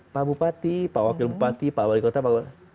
pak bupati pak wakil bupati pak wali kota